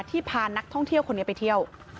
พานักท่องเที่ยวคนนี้ไปเที่ยว